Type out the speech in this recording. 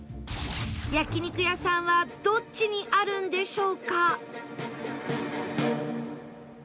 焼肉屋さんはどっちにあるんでしょうか？